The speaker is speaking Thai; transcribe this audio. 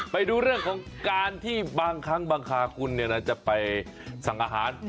ไปดูเรื่องของการที่บางครั้งบางคราคุณจะไปสั่งอาหาร